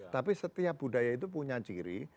tapi setiap budaya itu punya ciri